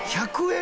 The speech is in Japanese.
１００円！」